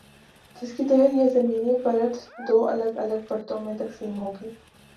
جس کی تحت یہ زمینی پرت دو الگ الگ پرتوں میں تقسیم ہوگی۔